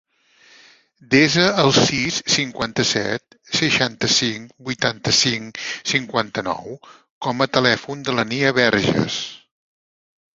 Desa el sis, cinquanta-set, seixanta-cinc, vuitanta-cinc, cinquanta-nou com a telèfon de la Nia Berges.